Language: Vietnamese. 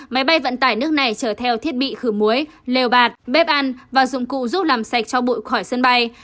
máy bay vận tải nước này chở theo thiết bị khử muối lều bạt bếp ăn và dụng cụ giúp làm sạch cho bụi khỏi sân bay